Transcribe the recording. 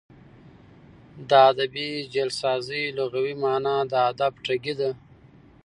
د ادبي جعلسازۍ لغوي مانا د ادب ټګي ده.